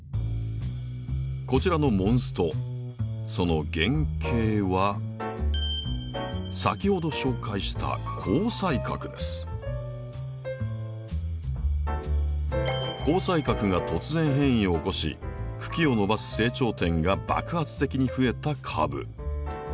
こちらのモンストその原型は先ほど紹介した紅彩閣が突然変異を起こし茎を伸ばす成長点が爆発的にふえた株。